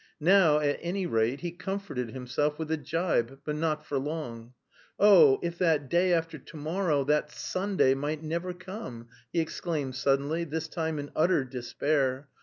Now, at any rate, he comforted himself with a gibe, but not for long. "Oh, if that day after to morrow, that Sunday, might never come!" he exclaimed suddenly, this time in utter despair.